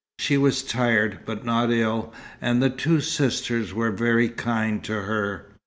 She was tired, but not ill, and the two sisters were very kind to her.